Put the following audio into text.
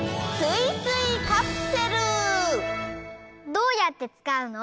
どうやってつかうの？